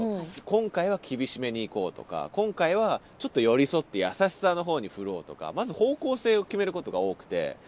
今回は厳しめにいこうとか今回はちょっと寄り添って優しさの方に振ろうとかまず方向性を決めることが多くて。